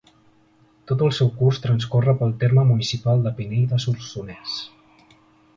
Tot el seu curs transcorre pel terme municipal de Pinell de Solsonès.